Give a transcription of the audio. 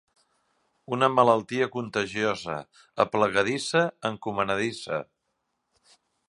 Una malaltia contagiosa, aplegadissa, encomanadissa.